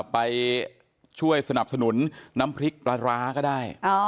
ไปช่วยสนับสนุนน้ำพริกปลาร้าก็ได้